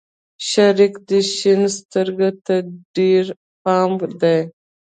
شريکه دې شين سترگو ته دې پام دى.